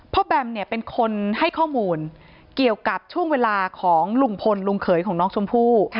แบมเนี่ยเป็นคนให้ข้อมูลเกี่ยวกับช่วงเวลาของลุงพลลุงเขยของน้องชมพู่